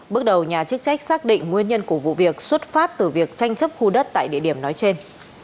bước đầu nhà chức trách xác định nguyên nhân của vụ việc xuất phát từ việc tranh chấp khu đất tại địa điểm nói trên